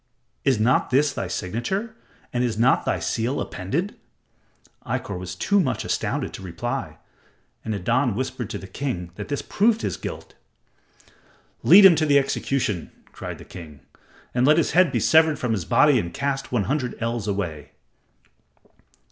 Is not this thy signature, and is not thy seal appended?" Ikkor was too much astounded to reply, and Nadan whispered to the king that this proved his guilt. "Lead him to the execution," cried the king, "and let his head be severed from his body and cast one hundred ells away."